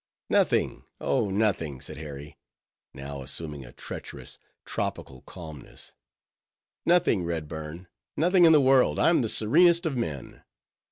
"Nothing, oh nothing," said Harry, now assuming a treacherous, tropical calmness—"nothing, Redburn; nothing in the world. I'm the serenest of men."